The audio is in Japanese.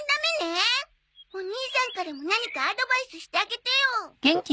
お兄さんからも何かアドバイスしてあげてよ。